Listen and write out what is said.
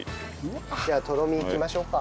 ではとろみいきましょうか。